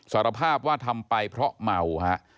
สารภาพว่าทำไปเพราะเมาฮะ